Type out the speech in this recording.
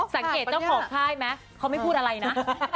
สังเกตเจ้าขอบพ่ายไหมเขาไม่พูดอะไรนะ